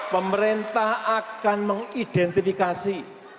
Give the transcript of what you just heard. pemerintah akan mengidentifikasi